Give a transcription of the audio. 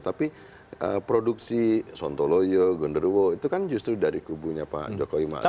tapi produksi sontoloyo gunderuwo itu kan justru dari kubunya pak jokowi pak kiai ujiwimahruf amin